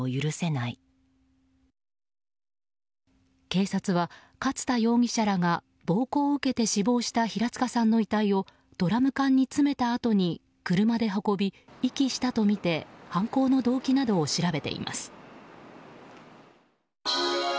警察は勝田容疑者らが暴行を受けて死亡した平塚さんの遺体をドラム缶に詰めたあとに車で運び遺棄したとみて犯行の動機などを調べています。